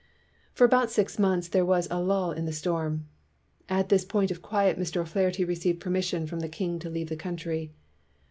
For about six months there was a lull in the storm. At this time of quiet Mr. O 'Flaherty received permission from the king to leave the country.